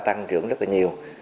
tăng trưởng rất là nhiều